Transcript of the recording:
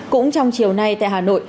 cũng trong chiều nay tại hà nội